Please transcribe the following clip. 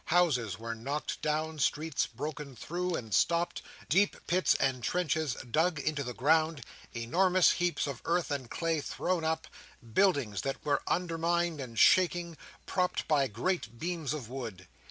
Houses were knocked down; streets broken through and stopped; deep pits and trenches dug in the ground; enormous heaps of earth and clay thrown up; buildings that were undermined and shaking, propped by great beams of wood.